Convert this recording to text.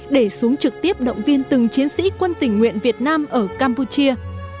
để xuống trực tiếp động viên từng chiến sĩ quân tỉnh nguyện việt nam ở campuchia